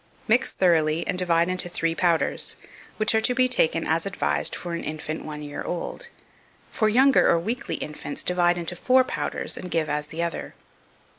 Mix thoroughly, and divide into three powders, which are to be taken as advised for an infant one year old; for younger or weakly infants, divide into four powders, and give as the other.